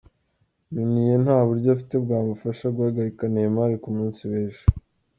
Meunier nta buryo afite bwamufasha guhagarika Neymar ku munsi w’ejo.